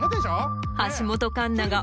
橋本環奈が。